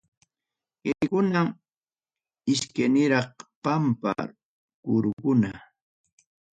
Kaykunam iskayniraq pampa kurukuna.